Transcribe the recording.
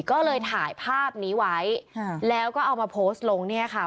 ก็เลยถ่ายภาพนี้ไว้แล้วก็เอามาโพสต์ลงเนี่ยค่ะ